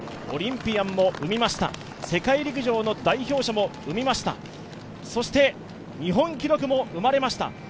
オリンピアンも生みました、世界陸上の代表者も生みました、そして日本記録も生まれました。